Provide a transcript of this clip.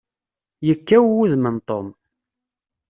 Yekkaw wudem n Tom.